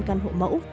căn hộ mẫu